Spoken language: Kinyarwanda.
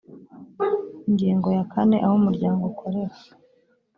ingingo ya kane aho umuryango ukorera